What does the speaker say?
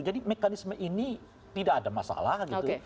jadi mekanisme ini tidak ada masalah gitu